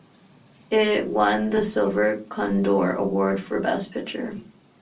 It won the Silver Condor Award for Best Picture.